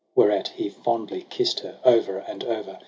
Whereat he fondly kisst her o'er and o'er.